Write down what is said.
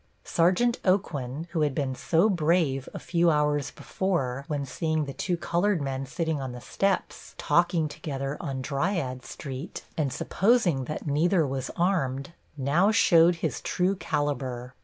Sergeant Aucoin, who had been so brave a few hours before when seeing the two colored men sitting on the steps, talking together on Dryades Street, and supposing that neither was armed, now showed his true calibre.